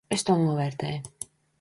Es to novērtēju.